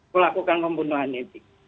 melakukan pembunuhan ini